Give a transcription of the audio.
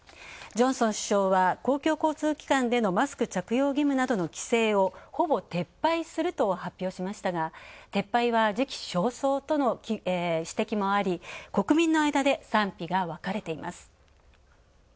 ジョンソン首相は公共交通機関のマスク着用の規制をほぼ撤廃すると発表しましたが撤廃は時期尚早との指摘もあり国民の間で賛否が分かれています。